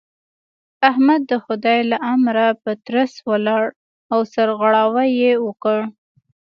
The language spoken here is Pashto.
احمد د خدای له امره په ترڅ ولاړ او سرغړاوی يې وکړ.